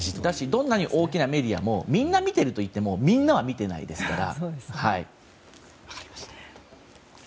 どんなに大きなメディアといってもみんな見てるといってもみんなは見てないですから。